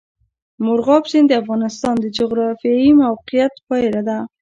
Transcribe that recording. مورغاب سیند د افغانستان د جغرافیایي موقیعت پایله ده.